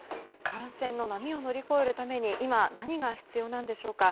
感染の波を乗り越えるために今何が必要なんでしょうか。